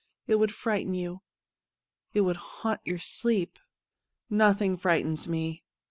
It would frighten you ; it would haunt your sleep.' ' Nothing frightens me.